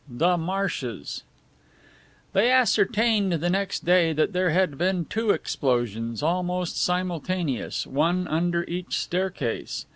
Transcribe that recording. THE MARSHES They ascertained the next day that there had been two explosions, almost simultaneous, one under each staircase.